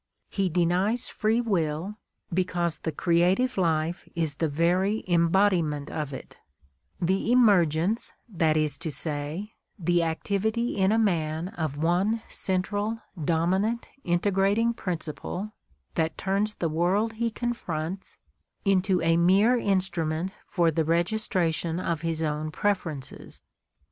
"^He denies "free will" because the creative life is the very embodiment of it — the emergence, that is to say, the activity in a man of one central, dominant, integrating principle that turns the world he confronts into a mere instrument for the registration of his own preferences.